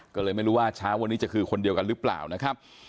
ก็เลยไม่รู้ว่าเช้าวันนี้จะคือคนเดียวกันหรือเปล่านะครับ